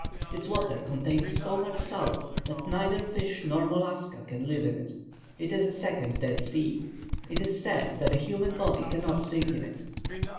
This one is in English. Its water contains so much salt, that neither fish nor mollusca can live in it. It is a second Dead Sea it is said that a human body cannot sink in it.